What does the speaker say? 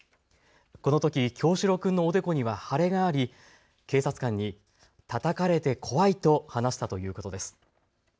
このとき叶志郎君のおでこには腫れがあり警察官に、たたかれて怖いと話したということです。